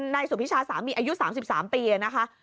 นายสุพิชาสามีอายุ๓๓ปีนะคะ